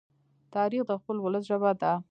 تاریخ د خپل ولس ژبه ده.